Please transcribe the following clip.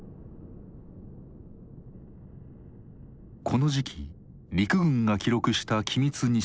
この時期陸軍が記録した機密日誌。